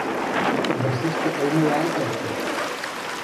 Вырсышты ылмылаат ат чуч.